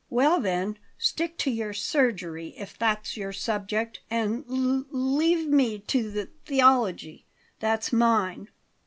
"Well then, stick to your surgery, if that's your subject, and l l leave me to th theology that's mine.